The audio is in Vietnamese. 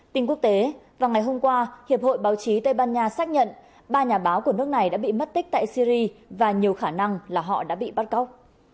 tin quốc tế vào ngày hôm qua hiệp hội báo chí tây ban nha xác nhận ba nhà báo của nước này đã bị mất tích tại syri và nhiều khả năng là họ đã bị bắt cóc